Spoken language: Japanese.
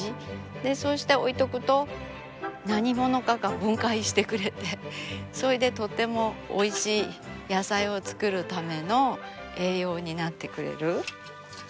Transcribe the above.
そうして置いておくと何者かが分解してくれてそれでとってもおいしい野菜を作るための栄養になってくれる。